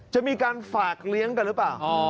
จะมีการฝากเลี้ยงกันหรือเปล่า